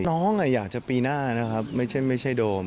น้องอยากจะปีหน้านะครับไม่ใช่โดม